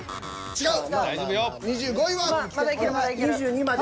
違う。